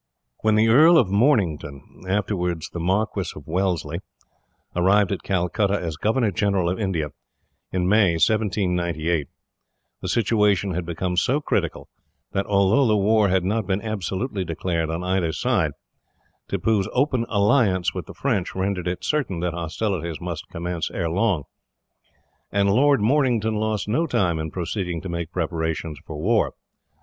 When the Earl of Mornington afterwards the Marquis of Wellesley arrived at Calcutta as Governor General of India, in May 1798, the situation had become so critical that, although war had not been absolutely declared on either side, Tippoo's open alliance with the French rendered it certain that hostilities must commence ere long; and Lord Mornington lost no time in proceeding to make preparations for war.